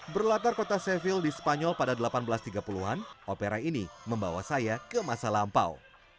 berlatar kota sevil di spanyol pada seribu delapan ratus tiga puluh an opera ini membawa saya ke masa lampau